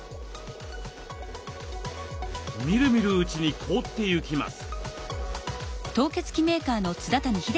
みるみるうちに凍ってゆきます。